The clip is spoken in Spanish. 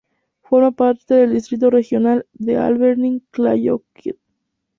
Forma parte del Distrito Regional de Alberni-Clayoquot.